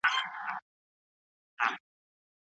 ولي هڅاند سړی د هوښیار انسان په پرتله لوړ مقام نیسي؟